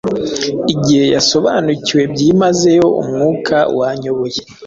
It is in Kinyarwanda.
Igihe yasobanukiwe byimazeyo umwuka wanyoboye